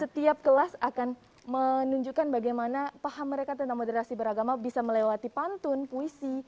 setiap kelas akan menunjukkan bagaimana paham mereka tentang moderasi beragama bisa melewati pantun puisi